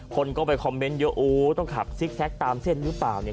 คนก็ไปคอมเมนต์เยอะโอ้ต้องขับซิกแก๊กตามเส้นหรือเปล่าเนี่ย